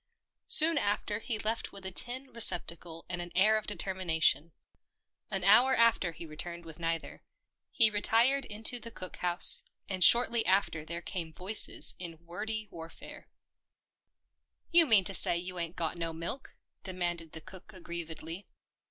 Soon after he left with a tin receptacle and an air of determination ; an hour after he returned with neither. He retired into the cook house, and shortly after there came voices in wordy warfare. THE PEPNOTISED MILK 151 " You mean to say you ain't got no milk ?" demanded the cook aggrievedly.